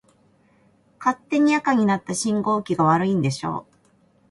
勝手に赤になった信号機が悪いんでしょ。